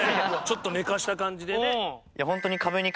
ちょっと寝かした感じでね。